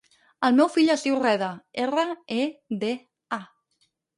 El meu fill es diu Reda: erra, e, de, a.